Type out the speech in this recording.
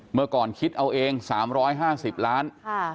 เมื่อก่อนคิดเอาเอง๓๕๐ล้าน